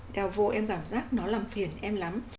theo vô em cảm giác nó làm phiền em lắm